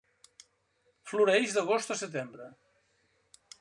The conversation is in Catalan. Floreix d'agost a setembre.